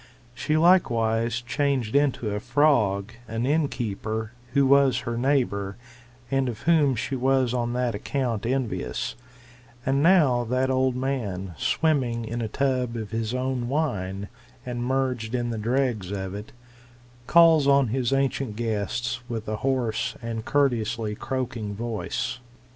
She likewise changed into a frog an innkeeper, who was her neighbour, and of whom she was on that account envious; and now that old man, swimming in a tub of his own wine, and merged in the dregs of it, calls on his ancient guests with a hoarse and courteously croaking voice.